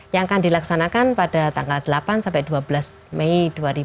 yang akan dilaksanakan pada tanggal delapan sampai dua belas mei dua ribu dua puluh